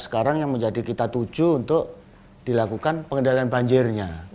sekarang yang menjadi kita tuju untuk dilakukan pengendalian banjirnya